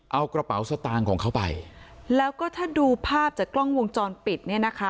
เอากระเป๋าสตางค์ของเขาไปแล้วก็ถ้าดูภาพจากกล้องวงจรปิดเนี่ยนะคะ